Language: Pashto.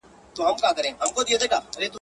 ساقي سر مي په توبو دی